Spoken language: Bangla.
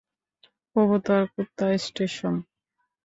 কবুতর, কুত্তা, স্টেশন।